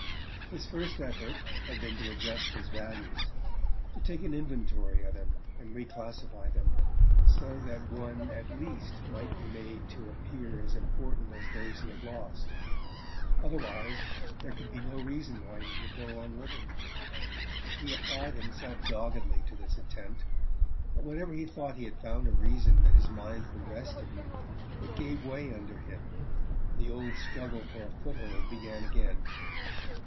His first effort had been to readjust his values to take an inventory of them, and reclassify them, so that one at least might be made to appear as important as those he had lost; otherwise there could be no reason why he should go on living. He applied himself doggedly to this attempt; but whenever he thought he had found a reason that his mind could rest in, it gave way under him, and the old struggle for a foothold began again.